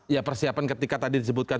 ya persiapan ketika tadi disebutkan